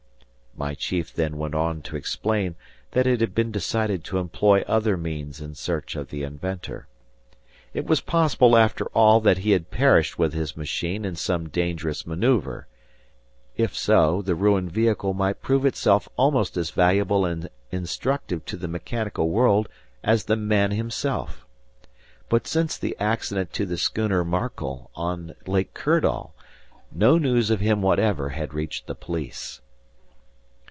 My chief then went on to explain that it had been decided to employ other means in search of the inventor. It was possible after all that he had perished with his machine in some dangerous maneuver. If so, the ruined vehicle might prove almost as valuable and instructive to the mechanical world as the man himself. But since the accident to the schooner "Markel" on Lake Kirdall, no news of him whatever had reached the police.